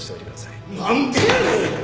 なんでやねん！？